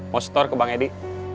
postor ke bang edi